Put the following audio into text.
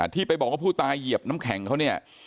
ที่ไปบอกว่าผู้ตายเหยียบน้ำแข็งเขาเนี่ย